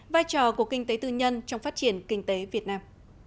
vai trò của kinh tế tư nhân trong phát triển kinh tế việt nam